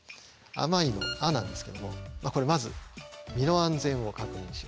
「あまい」の「あ」なんですけどもこれまず「身の安全を確認しよう」。